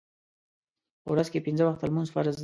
په ورځ کې پنځه وخته لمونځ فرض دی.